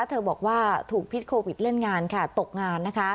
เธอบอกว่าถูกพิษโควิดเล่นงานค่ะตกงานนะคะ